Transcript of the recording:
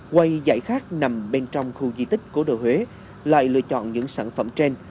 quầy dãy khác nằm bên trong khu di tích cố đô huế lại lựa chọn những sản phẩm trên